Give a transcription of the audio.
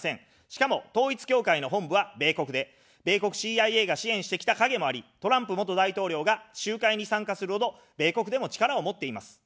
しかも、統一教会の本部は米国で、米国ＣＩＡが支援してきた影もあり、トランプ元大統領が集会に参加するほど米国でも力を持っています。